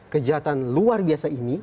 kejahatan luar biasa ini